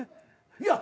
いや。